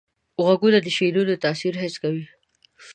غوږونه د شعرونو تاثیر حس کوي